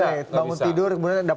bangun tidur kemudian dapat inspirasi